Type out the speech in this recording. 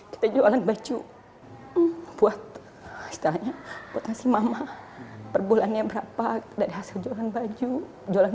kita jualan baju buat istilahnya potensi mama perbulannya berapa dari hasil jualan baju jualan